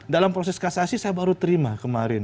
dalam proses kasasi saya baru terima kemarin